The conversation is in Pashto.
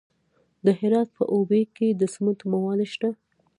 د هرات په اوبې کې د سمنټو مواد شته.